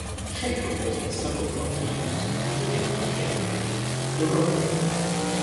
Shaker also has several club teams, including Shaker Crew, the rowing team.